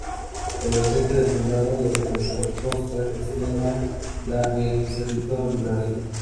La Biblioteca del Condado de Contra Costa gestiona la El Cerrito Library.